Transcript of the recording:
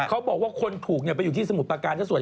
เขาบอกว่าคนถูกไปอยู่ที่สมุดปาการก็สวย